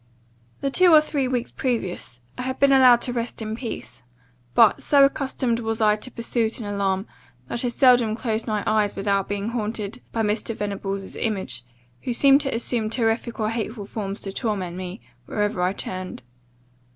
"The two or three weeks previous, I had been allowed to rest in peace; but, so accustomed was I to pursuit and alarm, that I seldom closed my eyes without being haunted by Mr. Venables' image, who seemed to assume terrific or hateful forms to torment me, wherever I turned.